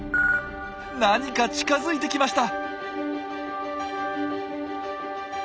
何か近づいてきました。